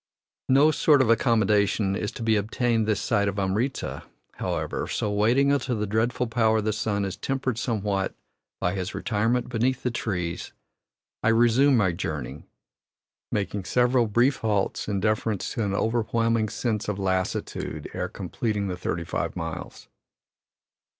No sort of accommodation is to be obtained this side of Amritza, however, so, waiting until the dreadful power of the sun is tempered somewhat by his retirement beneath the trees, I resume my journey, making several brief halts in deference to an overwhelming sense of lassitude ere completing the thirty five miles.